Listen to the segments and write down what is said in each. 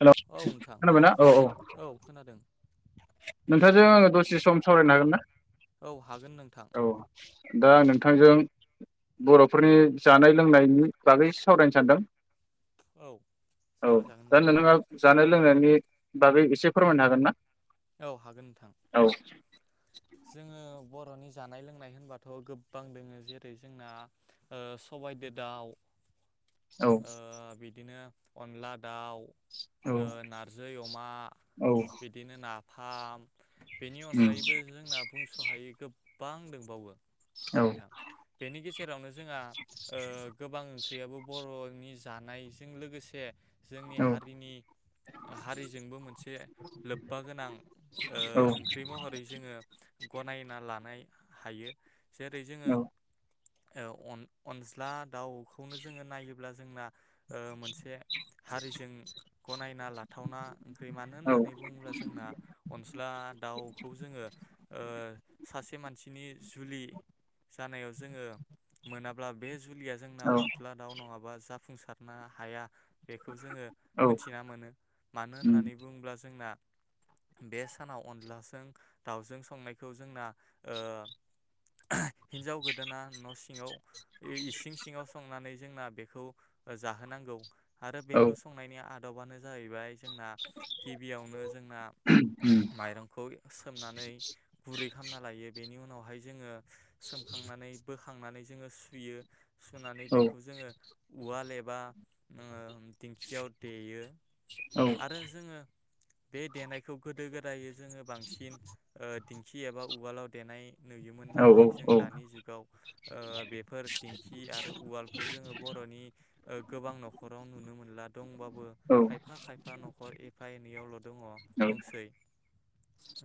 हेल' औ नोंथां खोनाबायना औ औ खोनादों। नोंथांजों आङो दसे सम सावरायनो हागोन ना। औ हाग औ दा आं नोंथांजों बरफोरनि जानाय लोंनायनि बागै एसे सावरायनो सानदों। औ औ सावरायजागोन दा नोंथां नोंथाङा जानाय लों लोनायनि बागै एसे फोरमायनो हागोन ना। औ हागोन नोंथां। औ जोङो बरनि जानाय लोंनाय होनबाथ गोबां दोङो जेरै जोंना ओ सबायाइदो दाउ औ ओ बिदिनो अनला दाउ औ ओ नारजि अमा औ बिदिनो ना फाम बेनि उम अनगायैबो जों ओ बुंस हायो गो बां दंबावो औ नोंथां। बेनि सेरावनो जोंहा ओ गोबां ओंख्रियाबो बर नि जानायजों लोगोसे जोंनि औ हारिनि हारिजोंबो मोनसे लोब्बा गोनां ओ ओंख्रि महरै जोङो गनायना लानाय हायो जेरै जोङो औ अनज्ला दाउखौनो जोङो नायो अब्ला जोंना ओ मोनसे हारिजों गनायना लाथावना ओंख्रि मानो औ होननानै बुङोब्ला जोंना अनस्ला दाउखौ जोङो ओ सासे मानसिनि जुलि जानायाव जोङो मोनाब्ला बे जुलिया जोंना औ अनस्ला दाउ नङाबा जा जाफुंसारनो हाया बेखौ जोङो औ मिथिना मोनो मानो उम होननानै बुङोब्ला जोंना बे सानाव अनलाजों दाउजों संनायखौ जोंना ओ हिनजाव गोदोना न सिङाव बे इसिं सिङाव संनानै जोंना बेखौ जाहोनांगौ। आरो औ बेखौ संनायनि आद बानो जाहैबाय जोंना गिबियावनो जोंना उम माइरंखौ सोमनानै गुरै खालामना लायो बेनि उनावहाय जोङो सोमखांनानै बोखां खांनानै जोङो सुयो सुनानै औ बेखौ औ जोङो उवाल एबा दिंखियाव देयो औ आरो जोङो बे देनायखौ गोदो गोदाय जोङो बांसिन ओ दिंखि एबा उवालाव देनाय नुयोमोन औ औ नाथाय जों दानि जुगाव ओ बेफोर दिंखि आरो उवालखौ जोङो बर'नि गोबां नखराव नुनो मोनला दंबाबो खायफा खायफा नखर एफा एनैयावल दङ दंसै।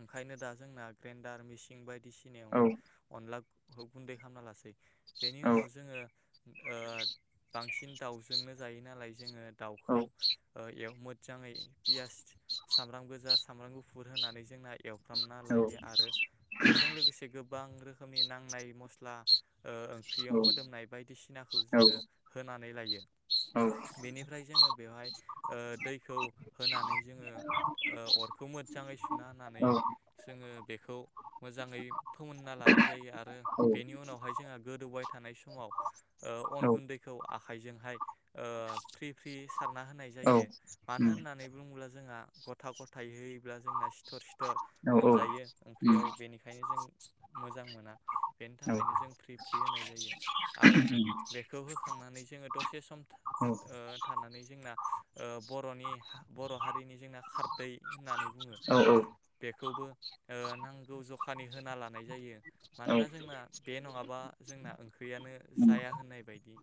ओंखायनो दा जोंना ग्रेनडार मिसिन बायदि औ बायदिसिनायावनो अनला गुन्दै खालामामना लासै बेनि उनाव जोङो ओ बांसिन दाउजोंनो जायो नालाय जोङो। दाउखौ ओ एवो मोजाङै पियास सामब्राम गोजा सामब्राम गुफुर होननानै जोंना एव खालामना लायो आरो बेजों लोगोसे गो गोबां रोखोमनि नांनाय मस्ला ओ ओंख्रियाव मोदोमनाय बायदिसिनाखौ जोङो होनानै होनानै लायो। बेनिफ्राय जोङो बेवहाय ओ दैखौ होनानै जोङो ओ अरखौ मोजाङै सुना होनानै [inaudible] जोङो बेखौ मोजाङै फोमोनना लानाय जायो आरो बेनि उनावहाय जोंहा गोदौबाय थानाय समाव ओ अन गुन्दैखौ आखाइजोंहाय ओ फ्रि फ्रि सारना होनाय जायो औ मानो होननानै बुंङोब्ला जोंहा गथा गथायै होयोब्ला जोंना सिथर सिथ बिथर औ उम औ औ मोनजायो उम ओंख्रियाव बेनिखायनो जों मोजां मोना बेनि औ थाखायनो जों फ्रि फ्रि होनाय जायो आरो दा बेखौ होखांनानै जोङो दसे सम ओ थानानै जोंना ओ बर'नि बर' हारिनि जोंना खारदै होननानै बुङो। बेखौबो ओ नांगौ जखानि होना लानाय जायो मानोना जोंना बे नङाबा जोंना ओंख्रियानो जाया होननाय बायदि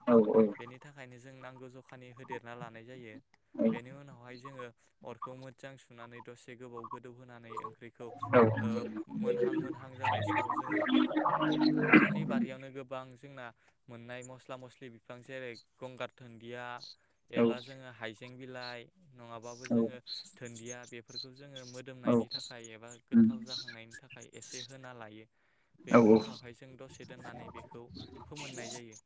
बेनि थाखायनो जों नांगौ जखानि होदेरना लानाय जायो। बेनि उनावहाय जोङो अर खौ मोजां सुनानै दसे गोबाव गोदौ होनानै ओंख्रिखौ ओ मोनहां मोनहां जानाय समाव जोङो ननि बारियावनो गोबां जोंना मोननाय मस्ला मस्लि बिफां जेरै गंगार दुनन्दिया एबा जोङो हाइ जें बिलाइ नङाबाबो जोङो दोनदिया बेफोरखौ जोङो मो नायनि थाखाय एबा गोथाव जाखांनायनि थाखाय थाखाय एसे होना लायो। बेनि उनावहाय जों दसे दोननानै बेखौ फोमोननाय जायो।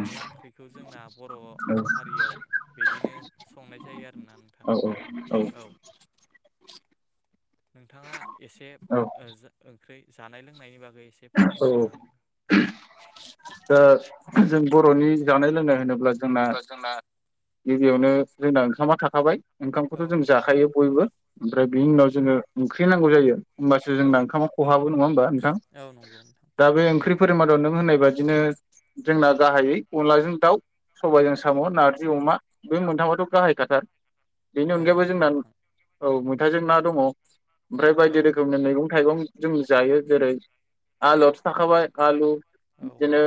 अनला ओंख्रिखौ जोंना बर' हारियाव बिदिनो संनाय जायो आरो। औ औ औ। नोंथाङा एसे ओ जो ओंख्रै जानाय लोंनायनि बागै एसे फोरमायना होनो हागोन [unintelligible] जों बर'नि जानाय लोंनाय होनोब्ला अब्ला जोंना गिबियावनो जोंना ओंखामा थाखाबाय औ ओंखामखौथ' जों नंगौ जाखायो नोंथां बयबो ओमफ्राय बिनि नंगौ उनाव जोङो ओंख्रि नां गौ जायो। होमबासो जोंना ओंखामा खहाबो नङा होमबा नोंथां? नंगौ नंगौ नोंथां। फोर मादाव नों होननाय बादिनो जोंना गाहायै अनलाजों दाउ। सबायजों औ साम', नार्जि अमा बे मोनथाममाथ' गाहायखाथार। बेनि औ अनगायैबो नंगौ जोंना नोंथां औ मैथाजों ना दङ'। ओमफ्राय बायदि औ रोखोमनि मैगं थाइगं जों जायो जेरै आलुआथ' थाखाबाय आलु औ बिदिनो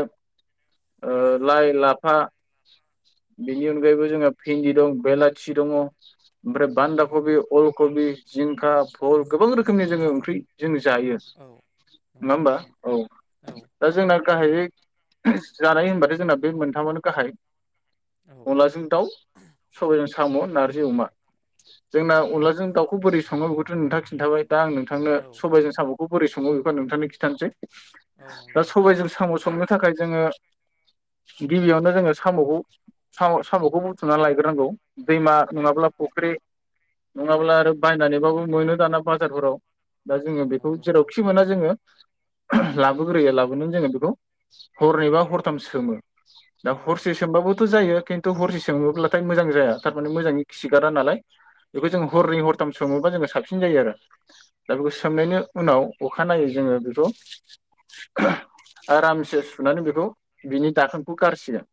ओ लाइ, लाफ फा बेनि अनगायैबो जोंहा भिन्दि दं बेलाथि दङ'। ओमफ्राय औ बान्दा कबि, नंगौ अलकबि जिंखा फल गोबां रोखोमनि जोङो ओंख्रि जोङो जायो। औ नङा नंगौ होमबा? नोंथां औ औ दा जोंना गाहायै जानाय होनबाथाय जोंना बे मोनथामआनो गाहाय। औ अनलाजों दाउ, सबायजों साम', नारजि अमा। औ जोंना नंगौ अनलाजों नोंथां दाउखौ बोरै सङो बेखौथ' नोंथांआ खि खिनथाबाय। दा आं नोंथांनो औ सबायजों साम'खौ बोरै सङो बेखौ नोंथांनो खि थानोसै। औ दा नंगौ नोंथां सबायजों साम' संनो थाखाय जोङो गिबियावनो जोङो साम'खौ सा-साम'खौ बुथुमनानै लायग्रोनांगौ। दैमा औ नङाब्ला फुख्रि नङाब्ला आरो बायनानैबाबो मोनो दाना बाजारफोराव। दा औ जोङो बेखौ नंगौ नोंथां जेरावखि मोना जोङो [unintelligible] लाबोग्रोयो लाबोनानै जोङो बेखौ हरनैबा हरथाम सोमो। दा औ हरसे सोमबाबोथ' जायो, खिन्थु हरसे सोमोब्लाथाय मोजां जाया। थारमाने मोजाङै खिगारा नालाय। बेखौ औ जों नंगौ हरनै नोंथां हरथाम सोमोब्ला जोङो साब सिन जायो आरो। दा बेखौ सोमनायनि उनाव अखानायनायै जोङो बे खौ आरामसे सुनानै बेखौ बिनि दाखोनखौ गारसिगोन।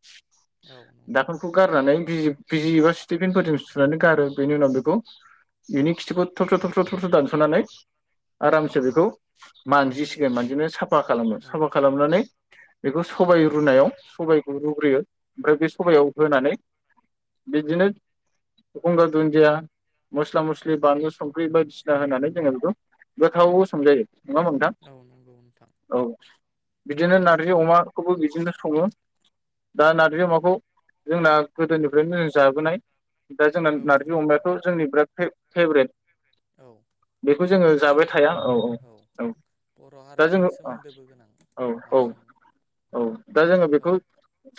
औ नंगौ दाखोनखौ गारनानै बिजि बिजि एबा सिटिफनफोरजों सुनानै गारो। बेनि उनाव बेखौ बेनि खिथुखौ थबस्र' थबस्र' थबस्र' दानसनानै आरामसे बेखौ मानजि सिगोन मानजिनानै साफ फा खालामो, औ साफा खालामनानै बेखौ सबाय रुनायाव सबायखौ रुग्रोयो ओमफ्राय बे सबयाव होनानै बिदिनो गंगार दुन्दिया, मस्ला मस्लि, बानलु संख्रि बायदिसिना होनानै जोङो बेखौ गोथाव संजायो नङा होमबा नोंथां? नंगौ नोंथां औ, बिदिनो ना रजि अमाखौबो बिदिनो सङो। दा नार्जि अमाखौ जोंना गोदोनिफ्रायनो जों जाबोनाय दा जोंना औ नारजि नंगौ नोंथां अमायाथ' जोंनि बिराद फे फेब्रेट। औ बेखौ बेजों जोङो लोगोसे जाबाय थाया। जोंना औ औ औ। बर' दा हारिजों जोङो सोमोन्दोबो गोनां अ औ नारजि अमा औ दा जोङो औ बेखौ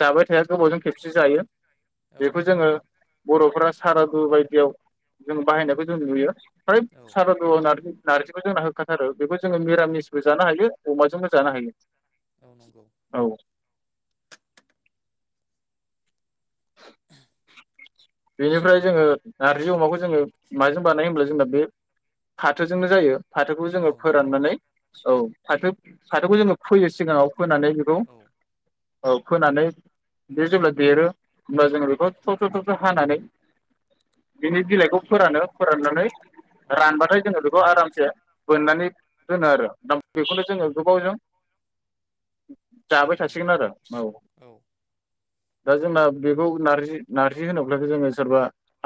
जाबाय थाया गोबावजों खेबसे जायो। औ बेखौ नंगौ जोङो नोंथां बर'फ्रा सारादु बायदियाव जों बाहायनायखौ जों नुयो। फ्राय औ सारादुआव नारजि नारजिखौ जोंना होखाथारो। बेखौ जोङो औ मिरामिसबो जानो हायो। अमाजोंबो जानो हायो। औ नंगौ औ [unintelligible] बेनिफ्राय जोङो नारजि अमाखौ जोङो माजों बानायो होनोमब्ला जोंना बे फाथोजोंनो जायो। फाथोखौ औ जोङो नंगौ फोराननानै नोंथां औ फाथो फाथोखौ जोंङो फोयो सिगाङाव फोनानै बेखौ औ औ फोनानै बे जेब्ला देरो अब्ला जोङो बेखौ थ' थ' हानानै बिनि बिलाइखौ फोरानो फोराननानै औ रानबाथाय जोङो बेखौ आरामसे बोननानै दोनो आरो दा बेखौनो जोङो गोबावजों औ जाबाय नंगौ थासिगोन आरो औ दा जोंना बेखौ नारजि नार आसि होनोब्लाथ जोङो सोरबा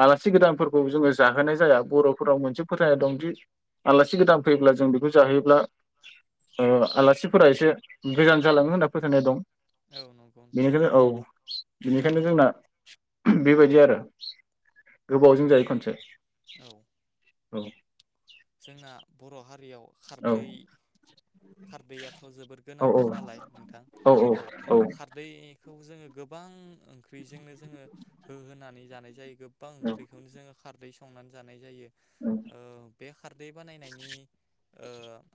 आलासि गोदानफोरखौ जोङो जाहोनाय जाया बर'फोराव मोनसे फोथायनाय दंदि आलासि गोदान फैब्ला जों बेखौ जाहोयोब्ला आलासिफोरा एसे गोजान जालाङो होनना फोथायनाय दं। औ नंगौ नोंथां बिनिखायनो औ बेखायनो जोंना बेबायदि आरो गोबावजों जायो खनसे। औ औ जोंना बर' हारि ख्रियाव औ खारदै खारदैयाथ जोबोद औ गोनांथार नालाय नोंथां औ खारदै खौ जोङो गोबां ओंख्रिजोंनो जोङो होहोनानै जानाय जायो। गोबां ओंख्रिखौनो जों खारदै संनानै जानाय जायो। उम ओ बे खारदै बानायनायनि ओ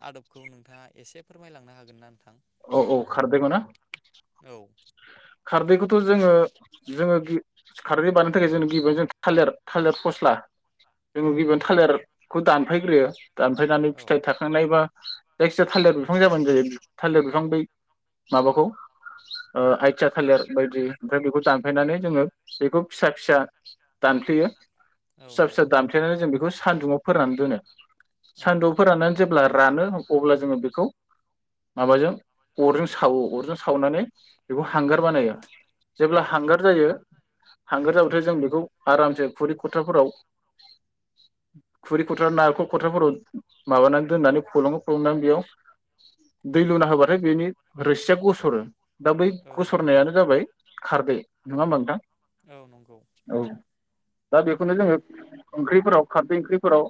आदबखौ नोंथाङा एसे फोरमायलांनो हागोन ना नोंथां? औ औ खारदैखौना औ खारदैखौथ' जोङो जोङो खारदै बानायनो थाखाय जोङो गिबाय जों थालिर थालिर फस्ला जों औ गिबियावनो नंगौ नोंथां थालिरखौ दानफायग्रोयो दानफायनानै औ फिथाइ थाखांनाय बा जायखिजाया थालिरबिफां जाब्लानो जायो। थालिर बिफां औ बै माबाखौ ओ आइ थिया थालिर बायदि ओमफ्राय बेखौ दानफायनानै जोङो बेखौ फिसा फिसा दानफ्लेयो। औ फिसा फिसा नंगौ नोंथां दानफ्लेनानै जों बेखौ सान्दुंङाव फोराननानै दोनो। औ सानदुं फोराननानै जेब्ला रानो अब्ला जोङो बेखौ माबाजों अरजों सावो अरजों सावनानै बेखौ हांगार बानायो जेब्ला औ हांगार जायो हांगार जाबाथाय जों बेखौ आरामसे खुरै खथाफोराव खुरै खथ्रा नारेखल खथ्राफोराव माबानानै दोननानै फलङो फलंनानै बेयाव दै लुना होबाथाय बेनि रोसिया गसरो दा बै औ नंगौ खसरनायानो नोंथां जाबाय खारदै। नङा होमबा नोंथां औ नंगौ औ दा बेखौनो जोङो ओंख्रिफोराव खारदै ओंख्रिफोराव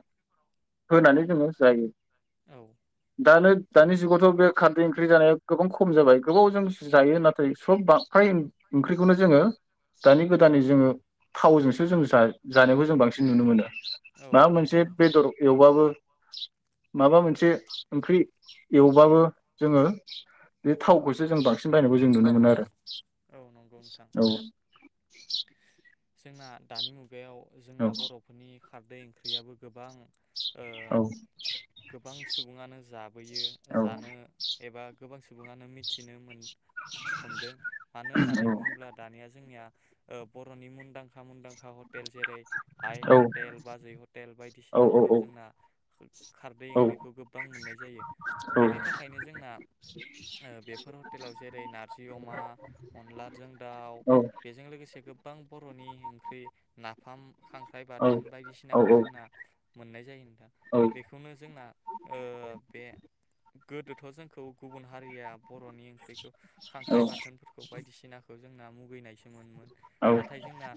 होनानै जोङो जायो औ दानो दानि जुगावथ बे खारदै ओंख्रै जानाया गोबां खम जाबाय गोबाव जोंसो जायो नाथाय सब [unintelligible] ओंख्रिखौनो जोङो दानि गोदानै जोङो थावजोंसो जों जा जानायखौ जों बांसिन नुनो मोनो औ माबा मोनसे नंगौ नोंथां बेदर एवबाबो माबा मोनसे ओंख्रि एवबाबो जोङो बे थावखौसो जों बांसिन बा जों नुनो मोनो बायनायखौ जों आरो औ नंगौ नोंथां औ [inaudible] जोंना दानि मुगा याव जोंना बरफोरनि खारदै ओंख्रियाबो गोबां ओ गोबां सुबुङानो जाबोयो जानो एबा गोबां सुबुङानो मिथिनो मोन हमदो मानो होननानै बुङोब्ला दानिया जोंनिया औ बरनि मुंदांखा मुंदांखा हटेल जेरै आइ हटेल बाजै हटेल औ बायदिसिनाफोराव जोंना खारदै औ ओंख्रिखौ गोबां मोननाय जायो औ बेनि थाखायनो जोंना ओ बेफोर हटेलाव जेरै नारजि अमा अनलाजों दाउ औ बेजों लोगोसे गोबां बरनि ओंख्रि नाफाम खांख्राइ औ बाथोन बायदिसिनाखौ जोंना मोननाय जायो नोंथां बेखौनो जोंना ओ बे गोदोथ जोंखौ गुबुन हारिया बरनि ओंख्रिखौ खांख्राइ बाथोनफोरखौ बायदिसिनाखौ जोंना मुगैनायसो मोनोमोन। नाथाय जोंना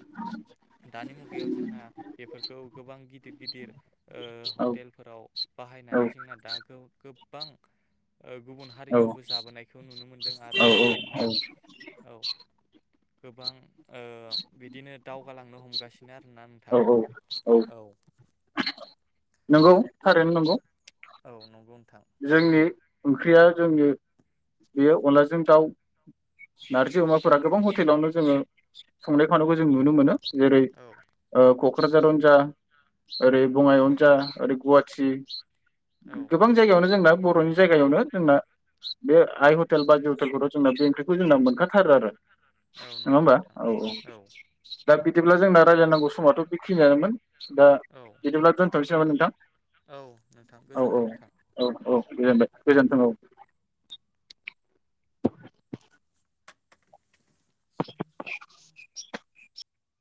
दानि मुगायाव जोंना बेफोरखौ गोबां गिदिर गिदिर ओ हटेलफोराव बाहायनानै जोंना दा गो बां ओ गुबुन हारिखौबो औ जाबोनायखौ नुनो मोनदों आरो दा जोंना औ गोबां ओ बिदिनो दावगालांनो हमगासिनो आरोना नोंथां औ औ नंगौ नों थारैनो नंगौ औ नंगौ नों जोंनि ओंख्रिया जोंनि बेयो अनलाजों दाउ नारजि अमाफोरा गोबां हटेलावनो जोङो संनाय खावनायखौ जों नुनो मोनो जेरै औ ओ कक क्राझारावनो जा ओरै बङाइआवनो जा ओरै गुवाटि औ गोबां जायगायावनो जोंना बरनि जायगायावनो जोंना बे आइ हटेल बाजै हटेलफोराव जोंना बे ओंख्रिखौ जोंना मोनखाथारो आरो औ नङा नंगौ होमबा नोंथां औ औ दा बिदिब्ला जोंना रायलायनांगौ समाथ बेखिनियानोमोन दा औ बिदिब्ला दोनथ जाबाय नोंथां औ नोंथां औ औ गोजोनथों नोंथां औ औ गोजोनबाय गोजोनथों औ [unintelligible] [unintelligible]